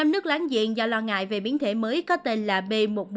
năm nước láng giềng do lo ngại về biến thể mới có tên là b một một năm trăm hai mươi chín